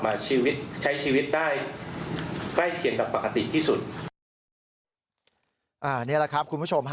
นี่แหละครับคุณผู้ชม